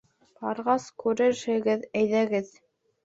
— Барғас күрерһегеҙ, әйҙәгеҙ.